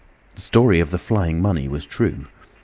The story of the flying money was true.